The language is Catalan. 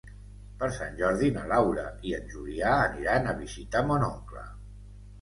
Per Sant Jordi na Laura i en Julià aniran a visitar mon oncle.